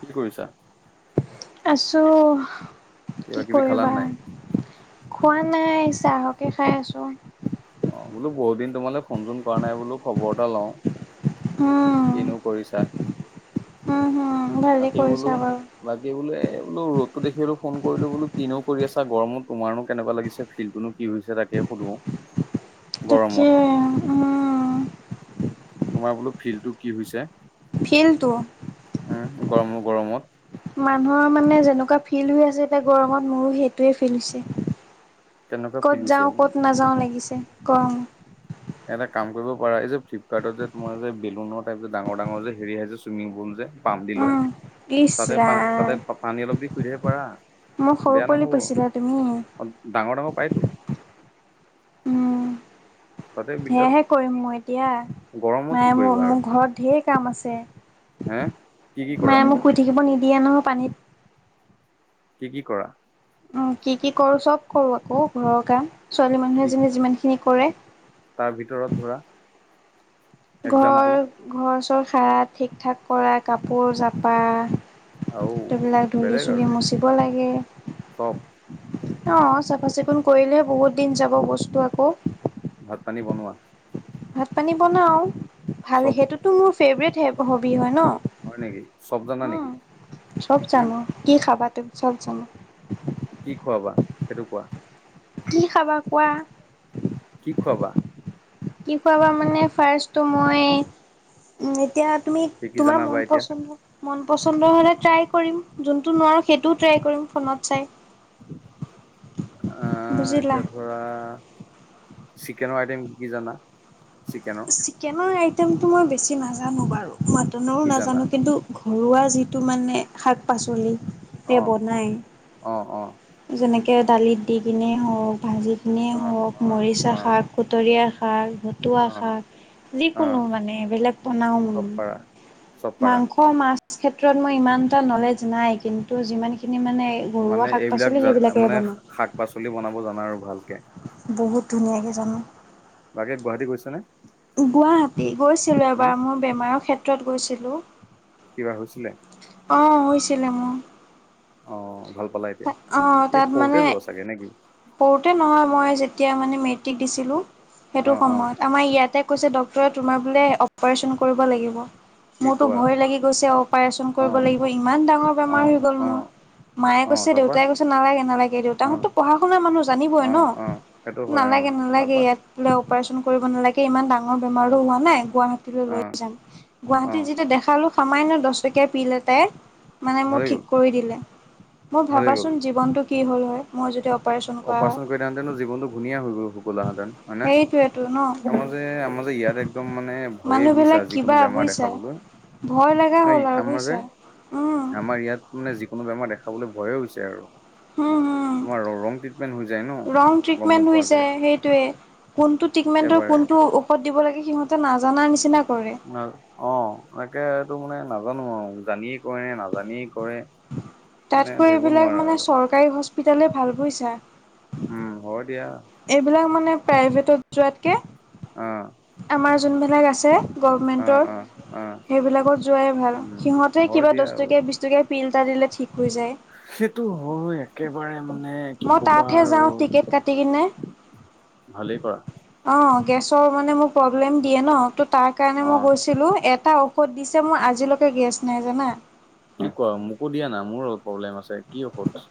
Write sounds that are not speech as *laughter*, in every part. কি কৰিছা? আছোঁ। কি কিবা কিবি খালা কৰিবা। নাই? খোৱা নাই, চাহকে খাই আছোঁ। অ' বোলো বহুতদিন তোমালে ফোন চোন কৰা নাই বোলো খবৰ এটা লও। উম কিনো কৰিছা। উম হম ভালেই তাকে বোলো, কৰিছা বাৰু বাকি বোলো বোলো ৰ'দতো দেখি পেলাই ফোন কৰিলো বোলো কিনো আছা, গৰমো তোমাৰনো কেনেকুৱা লাগিছিল ফিলটোনো কি হৈছে তাকে সোধোঁ। তাকে, উম। তোমাৰ বোলো ফিল্ডটো কি হৈছে। ফিলটো? উম, গৰম গৰমত। এনেকুৱা ফিল হৈ আছে এতিয়া গৰমত মোৰো সেইটোৱে ফিল হৈছে। কেনেকুৱা ফিল ক'ত হৈছে? যাওঁ ক'ত নাযাওঁ লাগিছে গৰমত। এটা কাম কৰিব পাৰা এই যে ফ্লিপকাৰ্টত যে তোমাৰ যে বেলুনৰ টাইপ যে ডাঙৰ ডাঙৰ যে হেৰি আহ যে চুইমিং পুল যে পাম্প দি লৈ উম ইচ তাতে পা ৰাম তাতে পানী অলপ দি শুই থাকিব পাৰা। মোক সৰু পোৱালি পাছিলা তুমি? অ' ডাঙৰ ডাঙৰ পায়তো। বিন্দাছ হেয়াহে কৰিম মই এতিয়া। গৰমত কি নাই মোৰ কৰিবা আৰু মোৰ ঘৰত ঢেৰ কাম আছে। হে কি কি কৰা মায়ে মোক শুই থাকিব নিদিয়ে নহয় পানীত। কি কি কৰা? উম, কি কি কৰোঁ চব কৰোঁ আকৌ ঘৰৰ কাম, ছোৱালী মানুহে কি যে যিমানখিনি কৰে। তাৰ ভিতৰত ধৰা ঘৰ, এক্জাম্পল ঘৰ চৰ সাৰা, ঠিক ঠাক কৰা, কাপোৰ জাপা। আৰু ধূলা ধূলি বেলেগ চুলি আৰু মচিব লাগে। চব অ' চাফা চিকুণ কৰিলে বহুত দিন যাব বস্তু আকৌ। ভাত পানী বনোৱা ভাত পানী বনাওঁ। ভাল, চব সেইটোতো মোৰ ফেভৰেট হবি হয় হয় নেকি চব জানা ন'। নেকি উম, চব হম জানো, কি খাবা তুমি চব জানো। কি খোৱাবা সেইটো কোৱা? কি খাবা কোৱা। কি খুৱাবা? কি খুৱাবা মানে ফাৰষ্টোতো মই উ এতিয়া তুমি কি কি তোমাৰ জানা বা মন এতিয়া পচন্দ, মন পচন্দ হ'লে ট্ৰাই কৰিম যোনটো নোৱাৰোঁ সেইটোও ট্ৰাই কৰিম ফোনত চাই আহ বুজিলা। এতিয়া ধৰা চিকেনৰ আইটেম কি কি জানা চিকেনৰ? টেনটো মই বেছি নাজানো বাৰু, মাটনৰো কি জানা নাজানো কিন্তু ঘৰুৱা যিটো মানে শাক পাচলি অ বনায় অ অ অ যেনেকে দালিত দি কিনে হওক, ভাজি কিনে হওক, অ মৰিচা অ শাক, খুতৰীয়াৰ শাক পতুৱা অ শাক অ যিকোনো মানে বেলেগ বনাও মানে। চব পাৰা চব পাৰা মাংস মাছ ক্ষেত্ৰত মই ইমান এটা নলেজ নাই কিন্তু যিমানখিনি মানে। ঘৰুৱা মানে শাক এইবিলাক পাচলি সেইবিলাকে মানে বনাওঁ। শাক পাচলি বনাব জানা আৰু ভালকে। বহুত ধুনীয়াকে জানো। বাকী গুৱাহাটী গৈছা নে? গুৱাহাটী গৈছিলোঁ উম, এবাৰ, মোৰ বেমাৰৰ ক্ষেত্ৰত গৈছিলোঁ। কিবা হৈছিলে? অ' হৈছিলে মোৰ। অ, ভাল পালা এতিয়া? অ' এই তাত সৰুতে মানে যোৱা চাগে নেকি? সৰুতে নহয় মই যেতিয়া তিয়া মানে মেট্ৰিক দিছিলোঁ অ, সেইটো অ, সময়ত আমাৰ ইয়াতে কৈছে ডাক্তৰে তোমাৰ বোলে অপাৰেচন কৰিব লাগিব। কি মোৰতো কোৱা? ভয় লাগি গৈছে, অপাৰেচন অ, কৰিব লাগিব, ইমান ডাঙৰ অ, বেমাৰ হৈ গ'ল অ, মোৰ। মায়ে অ, কৈছে, তাৰপা? দেউতাই কৈছে নালাগে নালাগে, অ, দেউতাহঁততো পঢ়া শুনা মানুহ জানিবই অ, ন'। অ, সেইটো হয় অ, নালাগে নালাগে তাৰপা? ইয়াত বোলে অপাৰেচন কৰিব নালাগে ইমান ডাঙ ৰ অ, বেমাৰটো হোৱা নাই গুৱাহাটীলৈ অ, লৈ যাম অ, গুৱাহাটীত যেতিয়া দেখালো। সামান্য দহ টকীয়া পিল এটাই মানে মোক ভাল হৈ ঠিক গ'ল, কৰি দিলে। মোৰ ভাল হৈ গ'ল। ভাবাচোন জীৱনটো কি হ'ল হয় মই যদি অপ অপাৰেচন কৰিলা হেতেন জীৱনটো ঘুনীয়া হৈ গ'লাহেঁতেন হয় নে সেইটোৱেতো ন *unintelligible* আমাৰ। *unintelligible* ইয়াত একদম মানে ভয়ে মানুহ বুইছা বিলাক কিবা যিকোনো বেমাৰ বুজিছা দেখাবলৈ। ভয় লগা নাই হ'ল আৰু আমাৰ যে, বুজিছা। উম আমাৰ ইয়াত মানে যিকোনো বেমাৰ দেখাবলৈ ভয় হৈছে আৰু হম হম তোমাৰ ৰং। ট্ৰিটমেন্ট হৈ যায় ন, ৰং গম ট্ৰিটমেন্ট হৈ নোপোৱাকে যায় সেইটোৱে। *unintelligible* ট্ৰিটমেণ্টৰ একেবাৰে। কোনটো ঔষধ দিব লাগে সিহঁতে নাজানা নিচিনা। কৰে অ তাকে এইটো মানে নাজানো আৰু জানিয়ে কৰে নে নাজানিয় তাতকৈ এইবিলাক মানে আৰু চৰকাৰী হস্পিতালে ভাল বুজিছা। উম হয়। দিয়া এইবিলাক মানে প্ৰাইভেটত যোৱাতকে। অ। আমাৰ যোনবিলাক আছে অ গভমেন্টৰ অ অ সেইবিলাকত যোৱাই ভাল উম সিহঁতে হয় কিবা। দিয়া দহ আৰু টকীয়া বিশ টকীয়া পিল এটা দিলে ঠিক হৈ যায়। সেইটো হয় একেবাৰে মানে কি মই কবা তাতহে আৰু যাওঁ টিকেট কাটি কিনে অ। ভালেই কৰা গেছৰ মানে মোৰ প্ৰব্লেম দিয়ে নহ তো তাৰ কাৰণে অ মই গৈছিলোঁ এ টা ঔষধ দিছে মোৰ আজিলৈকে গেছ নাই জানা। কি কোৱা মোকো দিয়া না মোৰো অলপ প্ৰব্লেম আছে কি ঔষধ।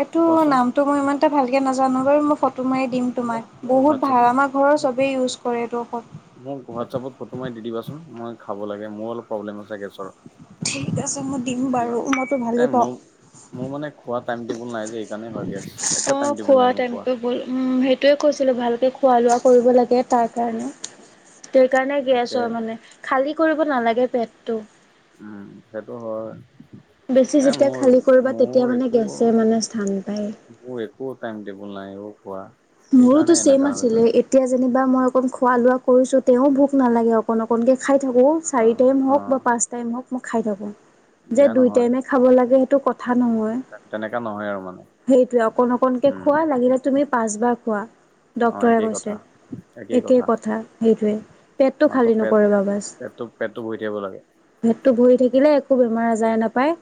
এইটো কোৱাচোন নামটো মই ইমান এটা ভালকে নাজানো *unintelligible* ফটো। *unintelligible* ট মাৰি দিম মোক তোমাক মোৰ বহুত হোৱাটছআপত ভাল আমাৰ ঘৰৰ মোক চবেই ইউজ কৰে এইটো ঔষধ। মোক হোৱাটছআপত ফটো মাৰি দি দিবাচোন মই খাব লাগে মোৰ অলপ প্ৰব্লেম আছে গেছৰ। ঠিক আছে মই দিম *unintelligible* বাৰু মইতো ভালেই এই পাওঁ। মোৰ, মোৰ মানে খোৱাত। টাইম টেবল নাই যে সেইকাৰণে হয় গেছ। একে অ টাইম টেবুল খোৱা নাই মোৰ টাইম টেবল। উম সেইটোৱে কৈছিলো ভালকে খোৱা লোৱা কৰিব লাগে তাৰ কাৰণে। *unintelligible* কাৰণে গেছ তাকে হয় মানে খালী কৰিব নালাগে পেটটো। উম সেইটো হয়। বেছি এ যেতিয়া মোৰ খালী কৰিবা তেতিয়া মোৰ মানে একো গেছে মানে স্থান পায়। ওলাই অ পুৱা। মোৰোতো ছেইম আছিলে এতিয়া যেনিবা মই। অকণ খোৱা লোৱা কৰিছোঁ তেওঁ ভোক নালাগে অকণ অকণকৈ খাই থাকোঁ অ চাৰি টাইম অ হওক বা পাঁচ টাইম হওক। মই খাই থাকো যে বেয়া দুই নহয় টাইমে খাব লাগে সেইটো ক *unintelligible* নমৰে তেনেকা নহয় আৰু মানে সেইটোৱে অকন অকনকে উম খোৱা লাগিলে তুমি পাঁচবাৰ। খোৱা। অ ডক্তৰে একেই কৈছে কথা একে কথা সেইটোৱে পেটটো মাত্ৰ খালী পেট নকৰিবা বাচ। পেটটো পেটটো ভৰি থাকিব লাগে। ভেটটো ভৰি থাকিলে একো বেমাৰ আজাৰে নাপায়।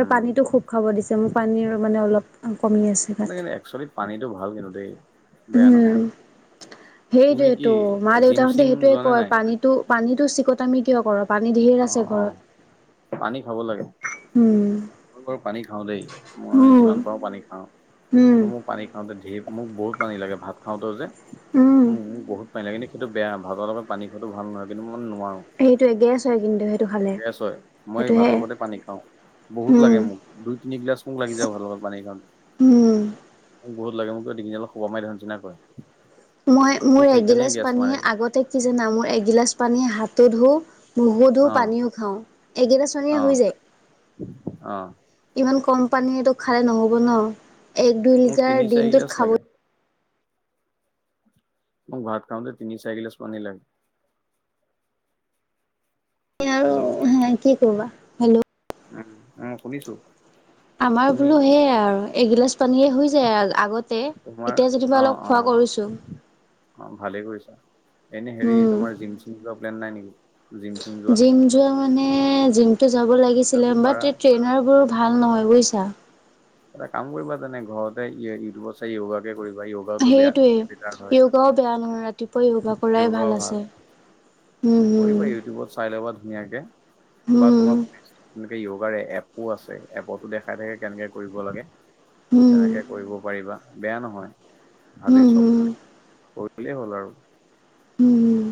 আৰু পানীটো খুব খাব দিছে মোৰ পানীৰ মানে অলপ কমি আছে কিন্তু গাত। একচুৱেলি *unintelligible* উম নহয় তুমি কি সেইটোৱেতো জিম মা-দেউতাহঁতে চিম সেইটোয়ে যোৱা নে কয় নাই পানীটো। পানীটো চিকতামি কিয় কৰোঁ। অ, অ পানী খাব লাগে। উম মই বাৰু পানী খাওঁ দেই মই উম যিমান পাৰোঁ পানী খাওঁ। উম মোৰ পানী খাওঁতে ধেৰ মোক বহুত পানী লাগে ভাত খাওঁতেও যে উম মোক বহুত। *unintelligible* বেয়া ভাতৰ লগত পানী খোৱাটো বেয়া কিন্তু মই।। নোৱাৰো সেইটোৱে গেছ হয় কিন্তু সেইটো। খালে গেছ হয় মই ভাতৰ সেইটোহে লগতে পানী খাওঁ। বহুত উম লাগে মোক দুই তিনিগিলাচ মোক লাগি যায় ভাতৰ লগত পানী খাওঁতে। উম। বহুত লাগে মোক ডিঙি অলপ শুব মাৰি ধৰা নিচিনা কৰে। মই মোৰ মোক সেইকাৰণে এগিলাচ গেছ মাৰে পানীয়ে আগতে কি জানা মোৰ এগিলাচ পানীয়ে হাতো ধো। মুখও অ পানীও খাওঁ একগিলাচ পানীয়ে অ হৈ যায়। অ ইমান কম পানী খালে নহ'ব ন এক দুই মোক লিটাৰ তিনি চাৰি দিনটোত গিলাচ খাবই। লাগে মোক ভাত খাওঁতে তিনি চাৰি গিলাচ পানী লাগে। আৰু হেল্ল' হ কি কৰা হেল্ল' উম উম শুনিছো। আমাৰ তুমি বোলো সেইয়াই আৰু এগিলাচ পানীয়ে হৈ যায় আগতে তোমাৰ এতিয়া যেনিবা অ অলপ অ খোৱা কৰিছোঁ। অ' ভালেই কৰিছা। এনে হেৰি উম তোমাৰ জিম চিম যোৱা প্লেন নাই নেকি জিম চিম যোৱা। জিম মানে জিমটো *unintelligible* যাব পাৰা ট্ৰেইনাৰবোৰ ভাল নহয় বুজিছা। এটা কাম কৰিবা তেনে ঘৰতে ইউটিউবত চাই যোগাকে কৰিবা। য়োগাওটো বেয়া সেইটোৱেই বেটাৰ হয় য়োগাও বেয়া নহয় ৰাতিপুৱা য়োগা কৰাই ভাল আছে। উম কৰিবা ইউটিউবত চাই ল'বা ধুনীয়াকে বা হুম তোমাৰ *unintelligible* এপো আছে এপতো দেখাই থাকে কেনেকৈ কৰিব লাগে হুম তেনেকে কৰিব পাৰিবা। বেয়া নহয়। হম হম। কৰিলে হ'ল আৰু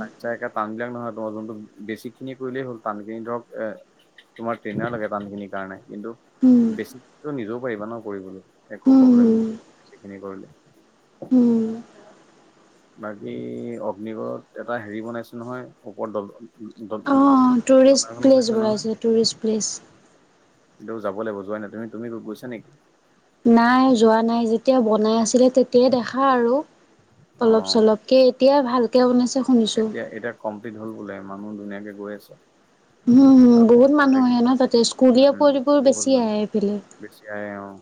তাকছা একে তানবিলাক নহয়। তোমাৰ যোনটো বেছিক খিনি কৰিলেই হ'ল টান খিনি ধৰক এ তোমাৰ ট্ৰেইনাৰ লাগে টান খিনিৰ কাৰণে। কিন্তু হুম হুম বেছিকো নিজো ইমানো কৰিবলৈ একো হুম প্ৰব্লেম হুম নিদে বেছিকখিনি কৰিলে। হুম বাকী অগ্নিগড়ত এটা হেৰি বনাইছো নহয় ওপৰত দল। অ' দলং টুৰিষ্ট এখন প্লেচ বনাইছে নহয় বলাইছে টুৰিষ্ট প্লেচ। *unintelligible* যাব লাগিব যোৱা নাই তুমি তুমি গৈছা নেকি। নাই যোৱা নাই যেতিয়া বনাই আছিলে তেতিয়াই দেখা আৰু। অ অলপ চলপ কে এতিয়া ভালকে বনাইছে। শুনিছো। এতিয়া এতিয়া কমপ্লিট হ'ল বোলে মানুহ ধুনীয়াকে গৈ আছে। উম তাৰে বহুত তাৰে মানুহ আহে ন তাতে স্কুলীয়া উম পঢ়িবোৰ বহুত বেছি হয় আহে আহফালে। বেছি আহে অ'।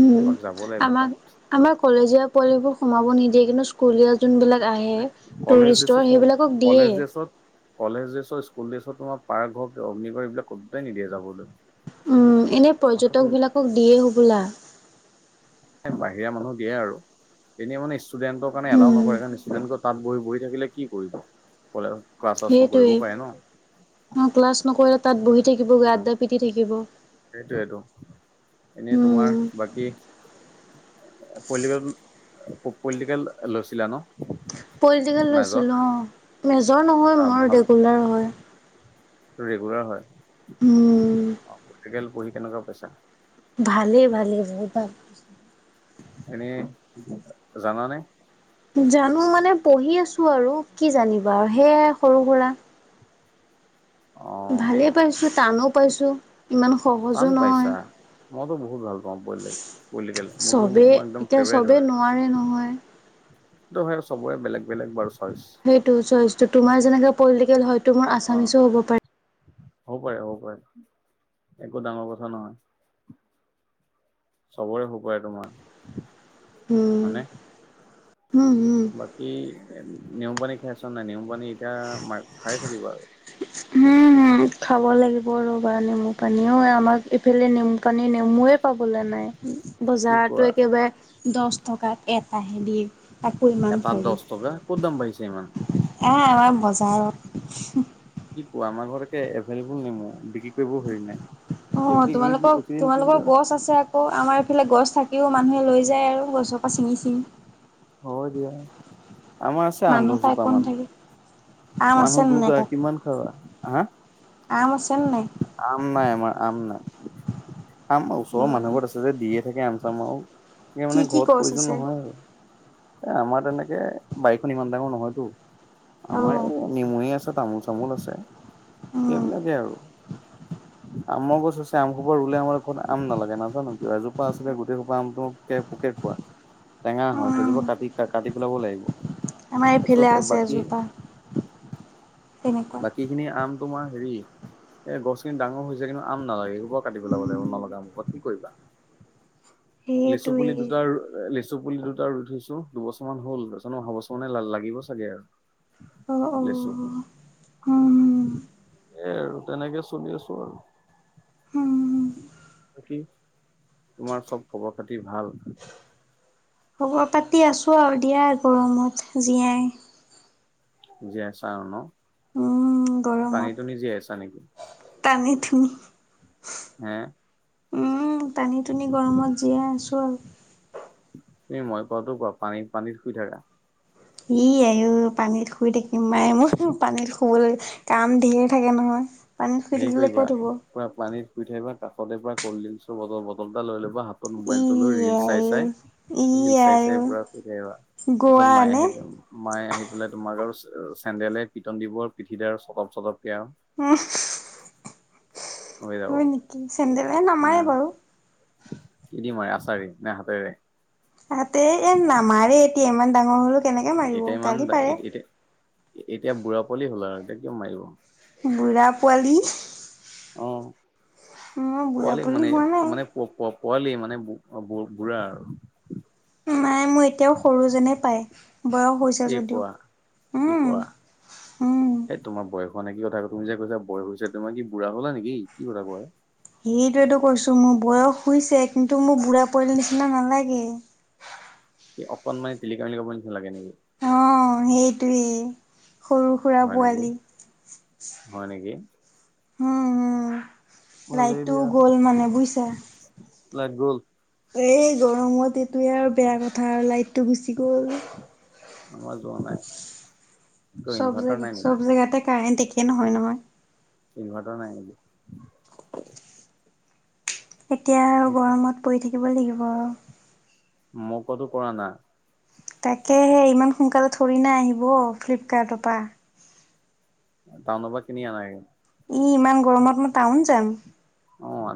উম এপাক যাব লাগিব তাত আমাক আমাৰ কলেজীয়া পৰিবোৰ সোমাব নিদিয়ে কিন্তু স্কুলীয়া। যোনবিলাক আহে কলেজ টুৰিষ্টৰ দ্ৰেচত সেইবিলাকক দিয়ে। কলেজ দ্ৰেচত কলেজ দ্ৰেচত কলেজৰ তোমাৰ পাৰ্ঘৰ অগ্নিগড এইবিলাক ক'তোতে নিদিয়ে যাবলৈ। উম এনে পৰ্যটক বাহিৰা বিলাকক দিয়ে হ'বলা। বাহিৰা মানুহ দিয়ে আৰু এনে ষ্টুডেন্টৰ কাৰণে এলাও উম নকৰে কাৰণ ষ্টুডেন্ট তাত বহি বহি থাকিলে কি কৰিব প সেইটোৱে অ ক্লাছ নকৰিলে তাত বহি থাকিব গাদদা পিতিি থাকিব সেইটোয়েটো এনেই উম তোমাৰ বাকী পলিটিকেল পলিটিকেল লৈছিলা ন। পলিটিকেল মেজৰ লৈছিলো অ' মেজৰ নহয় মোৰ ভাল ৰেগুলাৰ হয়। ৰেগুলাৰ হয় উম অ' পলিচিকেল পঢ়ি কেনেকুৱা পাইছা? ভালেই ভালেই বহুত ভাল। এনেই জানা নে? জানো মানে পঢ়ি আছো আৰু কি জানিবা সেইয়া সৰু সুৰা। অ ভালেই পাইছো টানো পাইছো ইমান সহজো টান নহয়। পাইছা মইতো বহুত ভাল পাওঁ বলে পলিটিকেল মোৰতো চবেই মই একদম এতিয়া ফেভাৰেট চবেই হয়। নোৱাৰে নহয়। *unintelligible* চবৰে বেলেগ বেলেগ বাৰু। চইচ সেইটো চইছতো তোমাৰ যেনে পলিটিকেল হয় মোৰ অ আছামিচও হ'ব পাৰে। হ'ব পাৰে হ'ব পাৰে একো ডাঙৰ কথা নহয়। চবৰে সুপাৰে তোমাৰ উম। হয়নেে উম উম। বাকী নেমপানী খাইছোন নাই নেমপানী এতিয়া ম খায়ে থাকিব আৰু উম খাব লাগিব ৰ'বা নেমু পানীও আমাক ইফালে নেম পানী নেমুৱে পাবলৈ নাই কি বজাৰতো কোৱা একেবাৰে দহ টকাত এটাহেদি তাকো ইমান এটাত দহ সৰু টকা ক'ত দাম বাঢ়িছে ইমান এ আমাৰ বজাৰত কি আমাৰ ঘৰকে এভেইলেবল নেমু বিক্ৰী কৰিব হেৰি নাই অ তোমালোকৰ এইকেইদিন কিন্তু তোমালোকৰ গছ আছে আকৌ আমাৰ সফালে গছ থাকিও মানুহে লৈ যায় আৰু গছৰ পৰা ছিঙি ছিঙি হয় দিয়া আমাৰ আছে আন মানুহ পাই দহজোপা কোন মান থাকে আম আছে মানুহ নে দুধ হয় কিমানন খাবা হা আমছেেন নাই আম নাই আমাৰ আম নাই আম ওচৰৰ উম, মানুহবত আছে যে দিয়ে থাকে আম মাৰ স কি মানে কি ঘৰত গছ প্ৰয়োজন আছে নহয় আৰু এ আমাৰ তেনেকে বাৰীখন ইমান ডাঙৰ নহয়তো আমাৰ অ', এই নেমুহে আছে তামোল চ *inaudible* আছে উম, আম খোপ ৰুলে আমাৰ ঘৰত আম নালাগে নাজানো কিয় এজোপা আছিলে গোটেই খোপা আমটোোক পোকে খোৱা টেঙা হয় উম। সেইজোৰপোৰ কাটি কাটি পেলাব লাগিব আমাৰ তাৰপিছত এইফালে আছে বাকী এজোপা তেনেকুৱা বাকী খিনি আম তোমাৰ হেৰি এই গছখিনি ডাঙৰ হৈ হৈছোয় কিমু আম নালাগে এইবৰ কাটি পেললাব লাগিব নলগা আমখত কি কৰিবা লেচু সেইটোৱে পুলি দুটা লেচু চু পুলি দুটা ৰুই থৈছো দুবছৰ মমান হল তাৰপছতো অহা বছৰ মানে লাগিব চাগে আৰু অঁ অ লেচু হ এই আৰু তেনেকে চলি আছো আৰু হম বাকী তোমাৰ চব খবৰ খাতি ভাল খবৰ পাতি আছো আৰু দিয়া গৰমত জীয়াই জীয়াইছা আৰু ন উম, পানীটো নি জীয়াইছা নেকি তানি থুমি হ উম টানি টনি গৰমত জীয়াই আছো আৰু তুমি মই পোৱাতো কোৱা পানীত পানীত শুই থাকা ই আ পানীত শুই থাকিম মাই মোৰ পানীত শুুৱলৈ কাম ধঢেৰ থাকে নহয় পানীত শুই হেৰি থাকিলে কৰিবা ক'ত হ'ব পুৰা পানীত শুই থাকিবা কাষতে প কল্ড ড্ৰিংকচ বটল এটা লৈ ল'বা হাত নতুন ই মোবাইলটো লৈ ৰিল চাই আইও চাই ই ল চাই চাই আইও পুৰা শ তাৰপিছত গোৱা মায়ে নে আহি মাইে আহি পেলাই তোমাক আৰু চেণ্ডেলে পটন দিবৰ পিঠিদাৰ চটপ চটপকে আৰু উম হৈ যাব। হয় নেকি চেন্দেলহ নামায়েই বাৰু এ দিমই আচাৰি নে হাতেৰে ততে এ নামাৰে এতিয়া ইমান ডাঙৰ হলেও কেনেকে মাৰিব এতিয়া ইমান গালি পাৰে এতিয়া এতিয়া বুঢ়া পাললি হ'ল আৰু এতিয়া কিয় মাৰিব বুঢ়া পোৱালী অ পোৱালি মানে হোৱা নাই। মানে প প পোৱালি মানে বুঢ়া আৰু নাই মোৰ এতিয়াও সৰুজনে পায় বয়স হৈছে কি যদিও কোৱা। কি কোৱা মানে কি কথা কৈ তুমি যে কৈছা বয়স হৈছে তুমাৰ কি বুঢ়া কলা নেকি কি কয় সেইটোয়েতো কৈছো মোৰ বয়সই হৈছে কিন্তু মোৰ বুঢ়া পৰিল নিচিনা নালাগে কি অকনমানে িলিকা মেলিবাব নিচাগেকি অ সেইটোৱেই হয় নেকি হয় নেকি উ ভালেই লাইটটোও গ'ল মানে বুজিছা ল গল এই গৰমত এইটোৱে আৰু বেয়া কথা আৰু লাইটটো গুচি গ'ল আমাৰ যোৱা নাই কিয় চব ইনভাৰ্টাৰ জেগা নাই নেকি চব জেগাতে কাৰেণ্ট একে নহয় নহয় ইনভাৰটাৰ নাই নেকি এতিয়া আৰু গৰমত পৰি থাকিব লাগিব আৰু ম কতো কৰা নাই তাকেহে ইমান সোনকালে ধৰি নাই আহিব ফ্লিপকাৰ্টৰ পৰা তটাউনৰ পৰা কিনি আনা ই ইমান গৰমত মই টাউন যাম অ আ